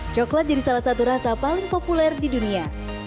coklat jadi salah satu rasa paling populer di dunia